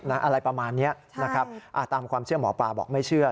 อะไรประมาณนี้นะครับตามความเชื่อหมอปลาบอกไม่เชื่อ